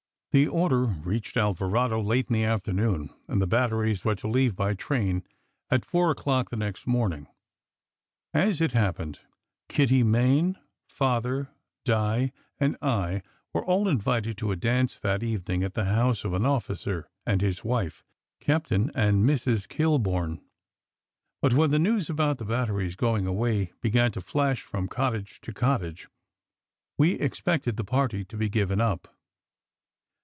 The order reached Alvarado late in the afternoon, and the batteries were to leave by train at four o clock the next morn ing. As it happened, Kitty Main, Father, Di, and I were all invited to a dance that evening at the house of an officer and his wife, Captain and Mrs. Kilburn; but when the news about the batteries going away began to flash from cottage to cottage we expected the party to be given up.